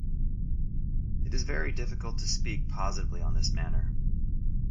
It is very difficult to speak positively on this matter.